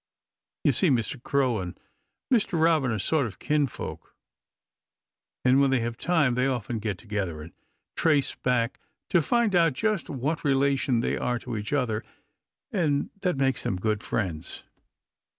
You see, Mr. Crow and Mr. Robin are sort of kinsfolk, and when they have time they often get together and trace back to find out just what relation they are to each other, and that makes them good friends.